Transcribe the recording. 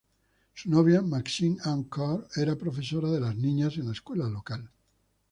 Su novia, Maxine Ann Carr, era profesora de las niñas en la escuela local.